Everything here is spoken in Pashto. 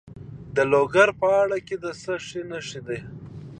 د لوګر په ازره کې د څه شي نښې دي؟